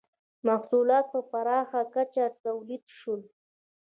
• محصولات په پراخه کچه تولید شول.